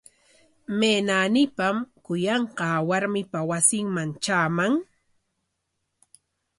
¿May naanipam kuyanqaa warmipa wasinman traaman?